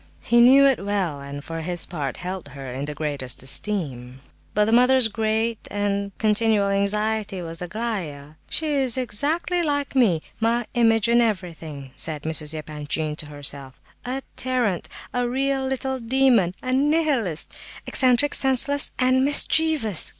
He knew it well, and for his part held her in the greatest esteem. But the mother's great and continual anxiety was Aglaya. "She is exactly like me—my image in everything," said Mrs. Epanchin to herself. "A tyrant! A real little demon! A Nihilist! Eccentric, senseless and mischievous!